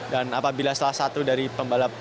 dan apabila salah satu dari pembalap